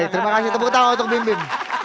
terima kasih tepuk tangan untuk bim bim